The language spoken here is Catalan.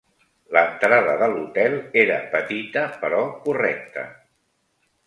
L'entrada de l'hotel era petita, però correcta.